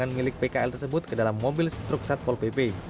dan mengambil barang dagangan pkl tersebut ke dalam mobil truk satpol pp